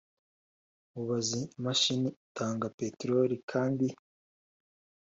Mubazi imashini itanga peteroli kandi